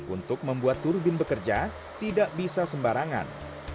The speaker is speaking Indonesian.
untuk membuat turbin bekerja tidak bisa sembarangan